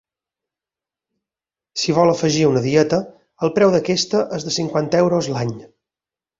Si vol afegir una dieta, el preu d'aquesta és de cinquanta euros l'any.